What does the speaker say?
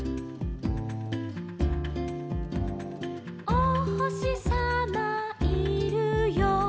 「おほしさまいるよ」